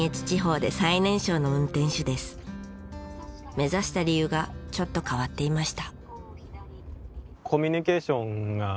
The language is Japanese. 目指した理由がちょっと変わっていました。